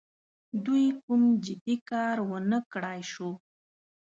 دوی کوم جدي کار ونه کړای سو.